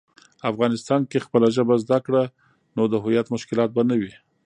افغانسان کی خپله ژبه زده کړه، نو د هویت مشکلات به نه وي.